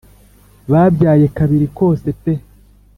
babyaye kabiri kose pe